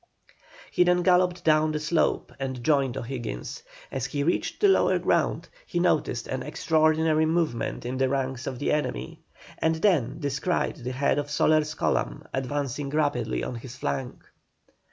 He then galloped down the slope and joined O'Higgins. As he reached the lower ground, he noticed an extraordinary movement in the ranks of the enemy, and then descried the head of Soler's column advancing rapidly on his flank.